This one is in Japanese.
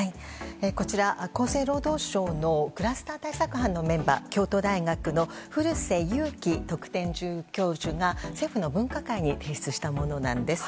こちら、厚生労働省のクラスター対策班のメンバー京都大学の古瀬祐気特定准教授が政府の分科会に提出したものなんです。